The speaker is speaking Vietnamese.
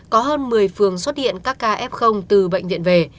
có hơn một mươi phường xuất hiện các ca f từ bệnh viện về